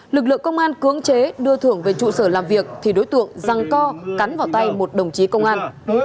lực lượng công an cưỡng chế đưa thưởng về trụ sở làm việc thì đối tượng răng co cắn vào tay một đồng chí công an